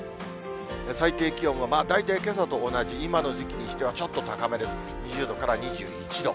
最低気温も大体けさと同じ、今の時期にしては、ちょっと高めで、２０度から２１度。